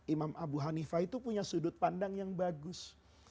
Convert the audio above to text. imam abu hanifah itu punya sudut pandang yang bagus